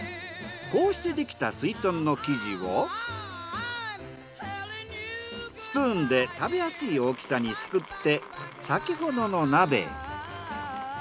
こうしてできたすいとんの生地をスプーンで食べやすい大きさにすくって先ほどの鍋へ。